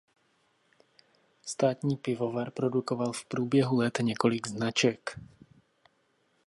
Státní pivovar produkoval v průběhu let několik značek.